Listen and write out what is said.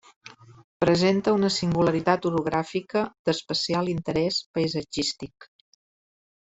Presenta una singularitat orogràfica d’especial interès paisatgístic.